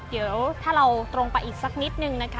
เดี๋ยวถ้าเราตรงไปอีกสักนิดนึงนะคะ